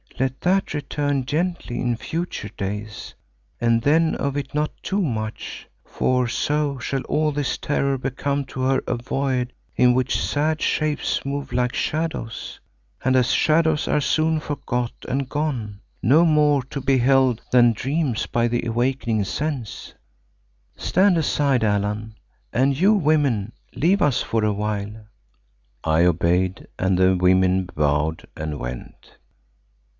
Let that return gently in future days, and then of it not too much, for so shall all this terror become to her a void in which sad shapes move like shadows, and as shadows are soon forgot and gone, no more to be held than dreams by the awakening sense. Stand aside, Allan, and you women, leave us for a while." I obeyed, and the women bowed and went.